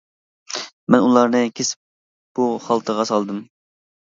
مەن ئۇلارنى كېسىپ بۇ خالتىغا سالدىم.